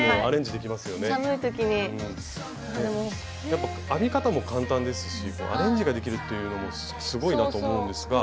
やっぱ編み方も簡単ですしアレンジができるっていうのもすごいなと思うんですが。